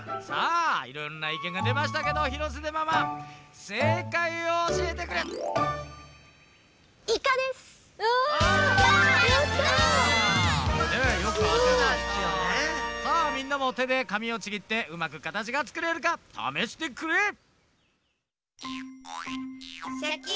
さあみんなも手で紙をちぎってうまくかたちがつくれるかためしてくれ。